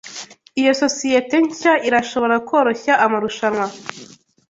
Iyo sosiyete nshya irashobora koroshya amarushanwa.